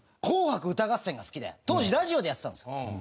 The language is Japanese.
『紅白歌合戦』が好きで当時ラジオでやってたんですよ。